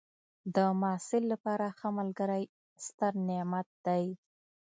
د محصل لپاره ښه ملګری ستر نعمت دی.